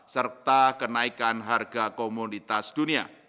serta kenaikan harga komoditas dunia